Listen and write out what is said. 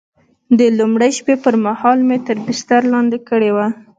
د لومړۍ شپې پر مهال مې تر بستر لاندې کړې وه.